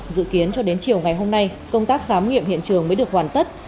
dự kiến cho đến chiều ngày hôm nay công tác khám nghiệm hiện trường mới được hoàn tất